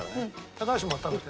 高橋も食べて。